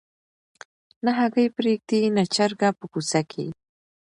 نه هګۍ پرېږدي نه چرګه په کوڅه کي